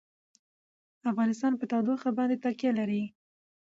افغانستان په تودوخه باندې تکیه لري.